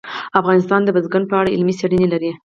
افغانستان د بزګان په اړه علمي څېړنې لري.